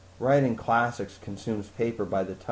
"Writing classics consumes paper by the ton.